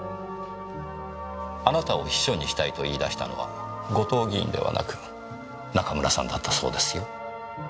あなたを秘書にしたいと言い出したのは後藤議員ではなく中村さんだったそうですよ。